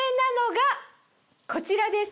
こちらです。